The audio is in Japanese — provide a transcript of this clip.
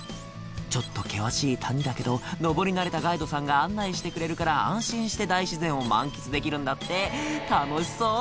ちょっと険しい谷だけど登り慣れたガイドさんが案内してくれるから安心して大自然を満喫できるんだって楽しそう